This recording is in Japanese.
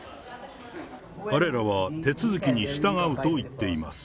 彼らは手続きに従うと言っています。